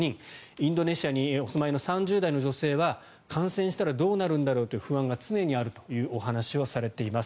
インドネシアにお住まいの３０代の女性は、感染したらどうなるんだろうって不安が常にあるというお話をされています。